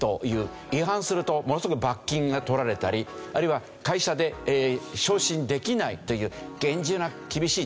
違反するとものすごく罰金が取られたりあるいは会社で昇進できないという。